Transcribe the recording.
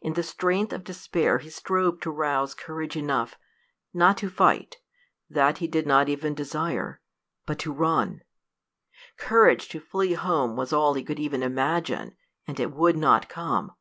In the strength of despair he strove to rouse courage enough, not to fight that he did not even desire but to run. Courage to flee home was all he could even imagine, and it would not come.